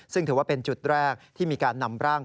ซึ่งถือว่าเป็นจุดแรกที่มีการนำร่าง